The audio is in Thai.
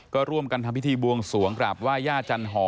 ก็ร่วมกันทำพิธีบวงสวงกราบไหว้ย่าจันหอม